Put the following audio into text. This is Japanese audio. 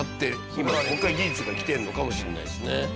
今もう１回技術がきてるのかもしれないですね。